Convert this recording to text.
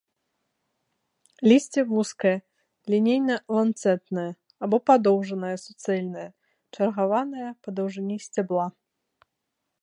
Лісце вузкае, лінейна-ланцэтнае або падоўжанае, суцэльнае, чаргаванае па даўжыні сцябла.